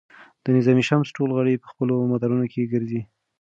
د نظام شمسي ټول غړي په خپلو مدارونو کې ګرځي.